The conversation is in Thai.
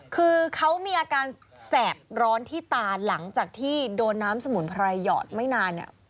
คือเขามีอาการแสบร้อนที่ตาหลังจากที่โดนน้ำสมุนไพรหยอดไม่นานเนี่ย